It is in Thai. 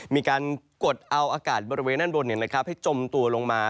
มีการกดเอาอากาศบริเวณด้านบนให้จมตัวลงมา